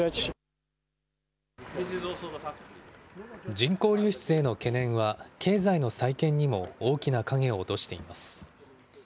人口流出への懸念は経済の再建にも大きな影を落としています。